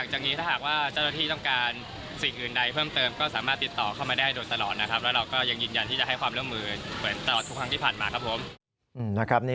เหมือนตลอดทุกครั้งที่ผ่านมา